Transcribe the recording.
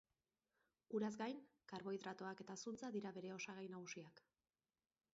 Uraz gain, karbohidratoak eta zuntza dira bere osagai nagusiak.